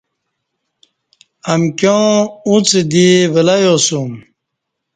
امکیاں اݩڅ دی ولیاسوم